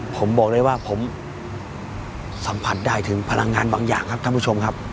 ผมบอกเลยว่าผมสัมผัสได้ถึงพลังงานบางอย่างครับท่านผู้ชมครับ